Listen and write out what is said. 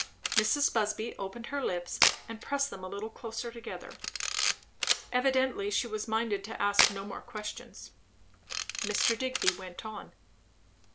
Mrs. Busby opened her lips, and pressed them a little closer together. Evidently she was minded to ask no more questions. Mr. Digby went on.